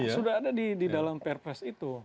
sudah ada di dalam perpres itu